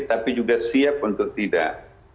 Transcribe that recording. tapi juga siap untuk tidak